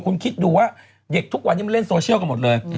คุณคิดดูว่าเด็กทุกวันนี้มันเล่นโซเชียลกันหมดเลย